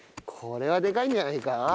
これはでかいんじゃないか？